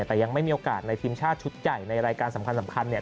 แต่ยังไม่มีโอกาสในทีมชาติชุดใหญ่ในรายการสำคัญเนี่ย